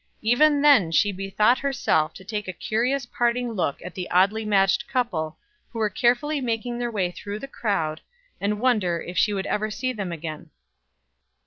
Even then she bethought herself to take a curious parting look at the oddly matched couple who were carefully making their way through the crowd, and wonder if she would ever see them again.